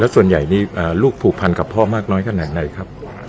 ส่วนใหญ่นี่ลูกผูกพันกับพ่อมากน้อยขนาดไหนครับ